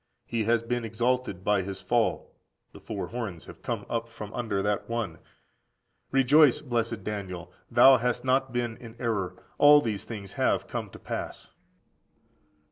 He has been exalted by his fall; (the) four horns have come up from under that one.14691469 Dan. viii. 2–8. Rejoice, blessed Daniel! thou hast not been in error: all these things have come to pass.